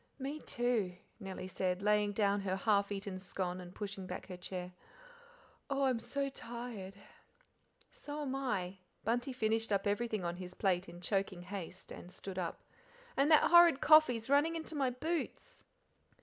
"Me, too," Nellie said, laying down her half eaten scone and pushing back her chair. "Oh, I am so tired!" "So'm I." Bunty finished up everything on his plate in choking haste and stood up. "And that horrid coffee's running into my boots."